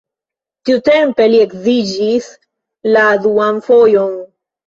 Tiutempe li edziĝis la duan fojon.